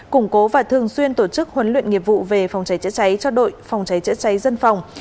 củng cố và thường xuyên tổ chức huấn luyện nghiệp vụ về phòng cháy chữa cháy cho đội phòng cháy chữa cháy dân phòng